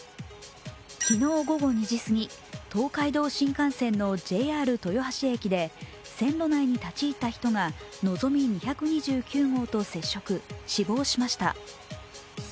昨日午後２時すぎ、東海道新幹線のＪＲ豊橋駅で線路内に立ち入った人が「のぞみ２２９号」と接触死亡しました。